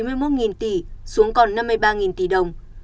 nợ xấu từ chín mươi một tỷ xuống còn năm mươi ba tỷ đồng